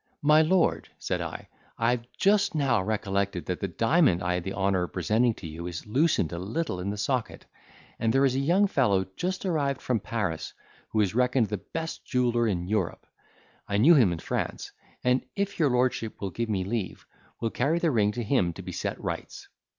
"My Lord," said I, "I have just now recollected, that the diamond I had the honour of presenting to you is loosened a little in the socket, and there is a young fellow just arrived from Paris, who is reckoned the best jeweller in Europe; I knew him in France; and, if your lordship will give me leave, will carry the ring to him to be set to rights."